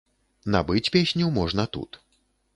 Набыць песню можна тут.